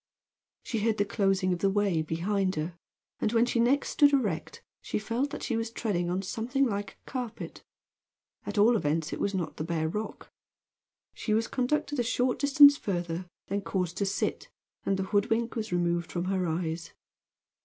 She heard the closing of the way behind her, and when she next stood erect she felt that she was treading on something like a carpet. At all events it was not the bare rock. She was conducted a short distance further, then caused to sit, and the hoodwink was removed from her eyes.